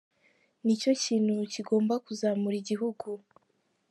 Ni cyo kintu kigomba kuzamura igihugu.